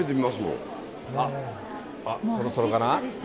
あっ、そろそろかな？